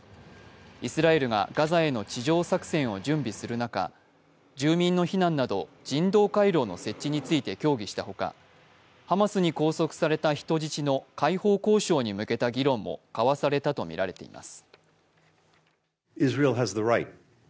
イスラエルがガザへの地上作戦を準備する中、住民の避難など人道回廊の設置について協議したほか、ハマスに拘束された人質の解放交渉に向けた議論も交わされたとみられています。